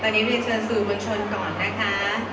ตอนนี้เรียนเชิญสื่อมวลชนก่อนนะคะ